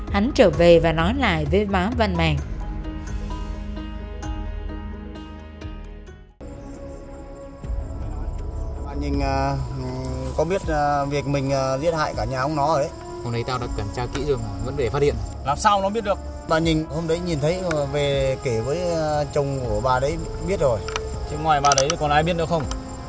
hắn trở về và nói lại với má văn mèn